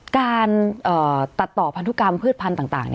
การตัดต่อพันธุกรรมพืชพันธุ์ต่าง